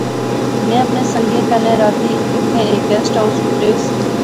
میں اپنے سنگئیں کنے راتی اتھیں ہیک گیسٹ ہائوس وچ رہیس